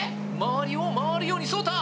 周りを回るようにそうた！